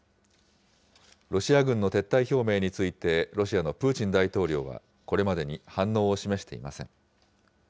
ロシア軍の撤退表明について、ロシアのプーチン大統領は、これまでに反応を示していません。